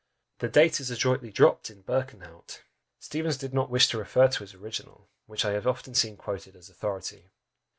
The date is adroitly dropped in Berkenhout! Steevens did not wish to refer to his original, which I have often seen quoted as authority.